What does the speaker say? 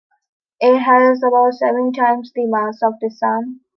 It has about seven times the mass of the Sun.